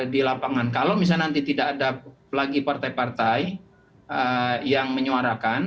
di lapangan kalau misalnya nanti tidak ada lagi partai partai yang menyuarakan